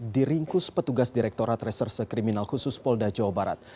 diringkus petugas direktorat reserse kriminal khusus polda jawa barat